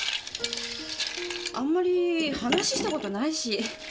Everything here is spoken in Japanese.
あんまり話した事ないし。